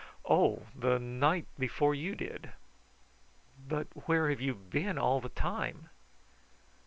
"Oh, the night before you did." "But where have you been all the time?"